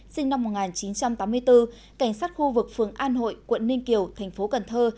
sinh năm một nghìn chín trăm tám mươi bốn cảnh sát khu vực phường an hội quận ninh kiều thành phố cần thơ